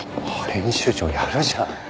編集長やるじゃん。